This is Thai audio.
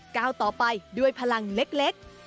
ก้าวต่อไปด้วยพลังเล็ก